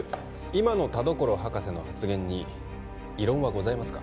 今の田所博士の発言に異論はございますか？